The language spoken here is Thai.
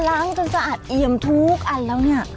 ล้างจนสะอาดเอียมทุกอันแล้วนี่